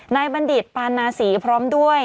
บัณฑิตปานาศรีพร้อมด้วย